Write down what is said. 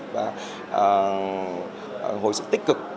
và hồi sức tích cực